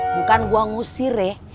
bukan gue ngusir ya